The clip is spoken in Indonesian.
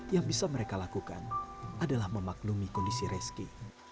yang bisa mereka lakukan adalah memaklumi kondisi reski